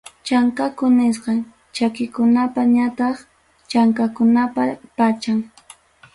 Chankaku nisqam, chakikunapa ñataq chankakunapa pacham.